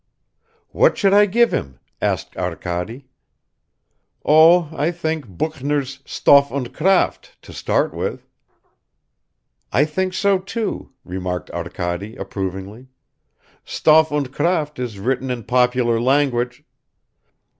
"What should I give him?" asked Arkady. "Oh, I think Büchner's Stoff und Kraft to start with." "I think so too," remarked Arkady approvingly. "Stoff und Kraft is written in popular language